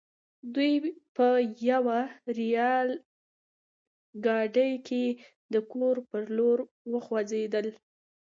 دوی په يوه ريل ګاډي کې د کور پر لور وخوځېدل.